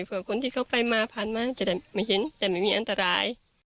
เพื่อคนที่เขาไปมาผ่านมาจะได้ไม่เห็นแต่ไม่มีอันตราย